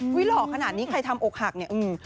หล่อขนาดนี้ใครทำอกหักเนี่ย